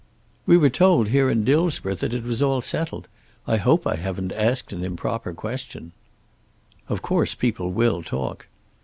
"We were told here in Dillsborough that it was all settled. I hope I haven't asked an improper question." "Of course people will talk."